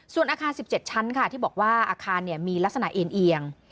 ส่วนอาคาร๑๗ชั้นค่ะที่บอกว่าอาคารมีลักษณะเอ็นเอียง